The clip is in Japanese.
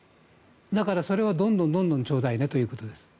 だからそれをどんどんちょうだいねということです。